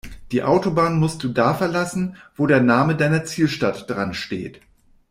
Die Autobahn musst du da verlassen, wo der Name deiner Zielstadt dran steht.